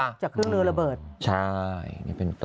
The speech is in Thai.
จากเครื่องมือระเบิดใช่นี่เป็นต้น